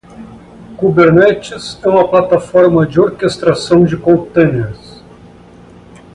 Kubernetes é uma plataforma de orquestração de contêineres.